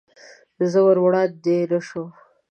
زه ور وړاندې نه شوم.